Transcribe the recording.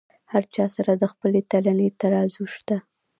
هر چا سره د خپلې تلنې ترازو شته.